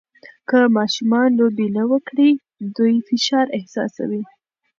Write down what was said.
که ماشومان لوبې نه وکړي، دوی فشار احساسوي.